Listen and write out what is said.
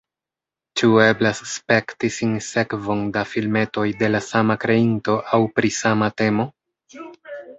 Ĉu eblas spekti sinsekvon da filmetoj de la sama kreinto aŭ pri sama temo?